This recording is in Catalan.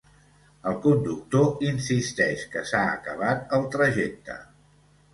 El conductor insisteix que s'ha acabat el trajecte.